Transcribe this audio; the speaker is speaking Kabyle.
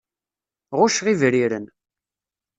Ɣucceɣ ibriren.